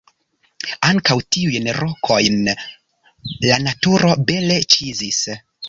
Ankaŭ tiujn rokojn la naturo bele ĉizis.